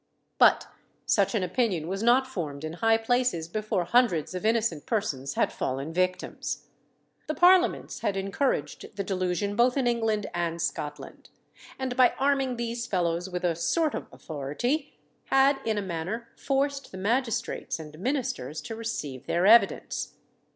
But such an opinion was not formed in high places before hundreds of innocent persons had fallen victims. The parliaments had encouraged the delusion both in England and Scotland; and by arming these fellows with a sort of authority, had in a manner forced the magistrates and ministers to receive their evidence.